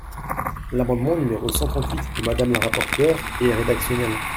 L’amendement numéro cent trente-huit de Madame la rapporteure est rédactionnel.